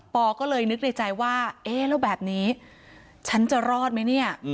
อก็เลยนึกในใจว่าเอ๊ะแล้วแบบนี้ฉันจะรอดไหมเนี่ย